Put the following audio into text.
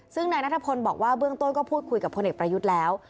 ซึ่งนายนัทพลบอกว่าเบื้องต้นก็พูดคุยกับพลเอกประยุทธ์แล้ว